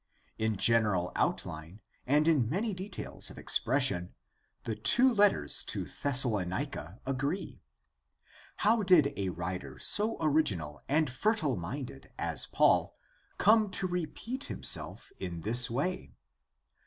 In general outline and in many details of expres sion the two letters to Thessalonica agree. How did a writer so original and fertile minded as Paul come to repeat himself in this way